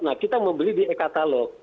nah kita membeli di e katalog